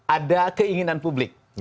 ada keinginan publik